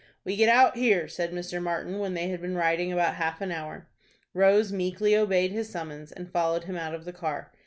"We get out here," said Mr. Martin, when they had been riding about half an hour. Rose meekly obeyed his summons, and followed him out of the car.